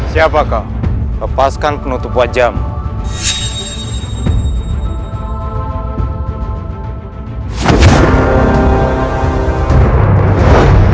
siapa kau lepaskan penutup wajahmu